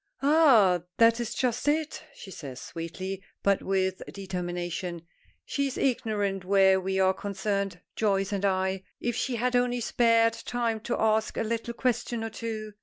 "Ah! that is just it," she says, sweetly, but with determination. "She is ignorant where we are concerned Joyce and I. If she had only spared time to ask a little question or two!